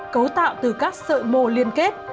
cấu tạo từ các sợi mồ liên kết